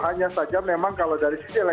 hanya saja memang kalau dari sisi